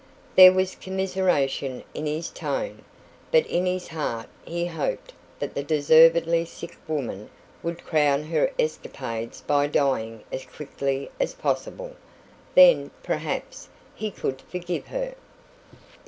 There was commiseration in his tone, but in his heart he hoped that the deservedly sick woman would crown her escapades by dying as quickly as possible. Then, perhaps, he could forgive her.